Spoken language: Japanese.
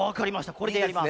これでやります。